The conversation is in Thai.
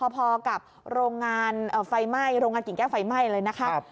พอกับโรงงานไฟไหม้โรงงานกิ่งแก้วไฟไหม้เลยนะครับ